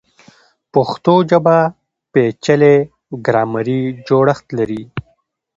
پښتو ژبه پیچلی ګرامري جوړښت لري.